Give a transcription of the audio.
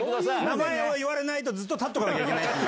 名前を言われないと立っとかなきゃいけない。